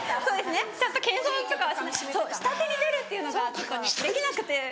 そう下手に出るっていうのができなくて。